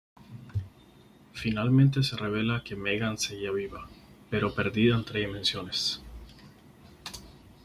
Finalmente, se revela que Meggan sigue viva, pero perdida entre dimensiones.